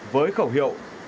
với khẩu hiệu